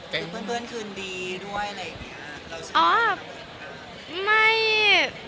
เหมือนกับเพื่อนคืนดีด้วยอะไรแบบเนี้ยเราจะเกี่ยวมากกว่าค่ะ